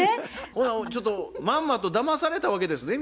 ほなちょっとまんまとだまされたわけですね宮崎さん。